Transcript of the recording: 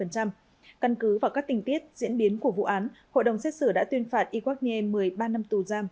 căn cứ vào các tình tiết diễn biến của vụ án hội đồng xét xử đã tuyên phạt iwaknye một mươi ba năm tù giam